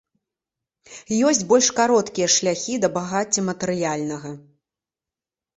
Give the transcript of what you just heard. Ёсць больш кароткія шляхі да багацця матэрыяльнага.